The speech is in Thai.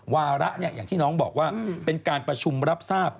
วาระอย่างที่น้องบอกว่าเป็นการประชุมรับทราบ